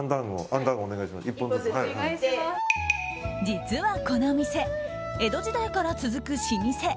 実はこの店江戸時代から続く老舗。